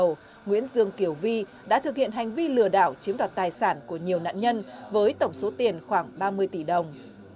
trước nguyễn dương kiều vi đã thực hiện hành vi lừa đảo chiếm đoạt tài sản của nhiều nạn nhân với tổng số tiền khoảng ba mươi tỷ đồng